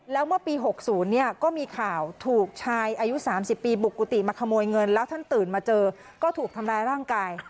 แล้วเมื่อปี๖๐เนี่ยก็มีข่าวถูกชายอายุ๓๐ปีบุกกุฏิมาขโมยเงินแล้วท่านตื่นมาเจอก็ถูกทำร้ายร่างกาย